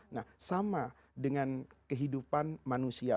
nah sama dengan kehidupan manusia